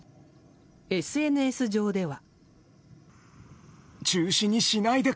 ＳＮＳ上では。